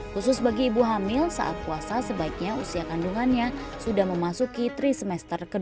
khusus bagi ibu hamil saat puasa sebaiknya usia kandungannya sudah memasuki tri semester kedua